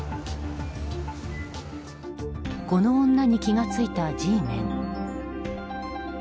この女に気が付いたＧメン。